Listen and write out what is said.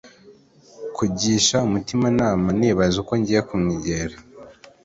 kugisha umutima inama, nibaza uko ngiye kumwegera